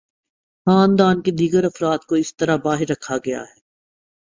خاندان کے دیگر افراد کو اس طرح باہر رکھا گیا ہے۔